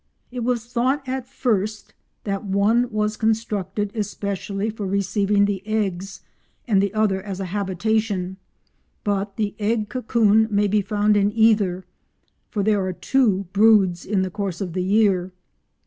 It was thought at first that one was constructed especially for receiving the eggs and the other as a habitation, but the egg cocoon may be found in either, for there are two broods in the course of the year.